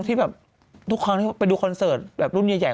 ที่แบบทุกครั้งที่ไปดูคอนเสิร์ตแบบรุ่นใหญ่